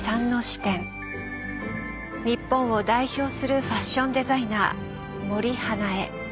日本を代表するファッションデザイナー森英恵。